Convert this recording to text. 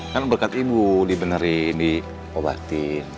kan berkat ibu dibenerin diobatin